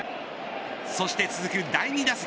そして続く第２打席